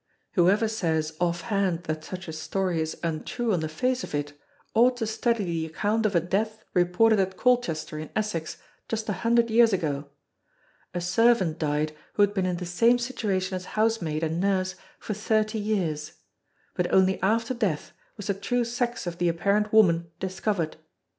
Whoever says, offhand, that such a story is untrue on the face of it ought to study the account of a death reported at Colchester in Essex just a hundred years ago. A servant died who had been in the same situation as housemaid and nurse for thirty years. But only after death was the true sex of the apparent woman discovered.